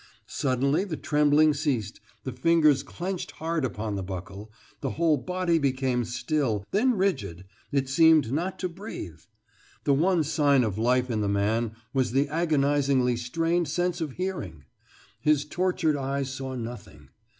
Suddenly the trembling ceased, the fingers clenched hard upon the buckle, the whole body became still, then rigid it seemed not to breathe! The one sign of life in the man was the agonisingly strained sense of hearing! His tortured eyes saw nothing.